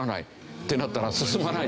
ってなったら進まないでしょ？